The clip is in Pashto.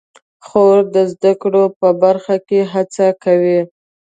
خور د زده کړو په برخه کې هڅه کوي.